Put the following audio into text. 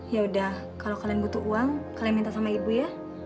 ya udah kalau kalian butuh uang kalian minta sama ibu ya